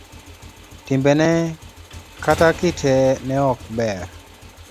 Timbene kata kite ne ok ber.